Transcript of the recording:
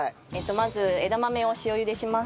まず枝豆を塩ゆでします。